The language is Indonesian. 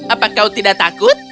apakah kau tidak takut